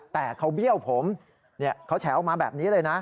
แต่เขาเบี้ยวผมเขาแฉออกมาแบบนี้เลยนะ